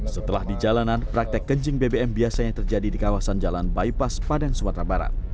setelah di jalanan praktek kencing bbm biasanya terjadi di kawasan jalan bypass padang sumatera barat